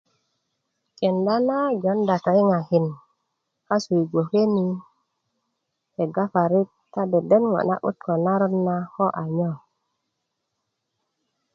kenda na jounda toyiŋakin kasu yi bgoke ni i kega parik ta dende ŋo na'but ko naron ko a nyo